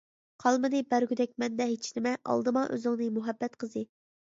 قالمىدى بەرگۈدەك مەندە ھېچنېمە، ئالدىما ئۆزۈڭنى مۇھەببەت قىزى.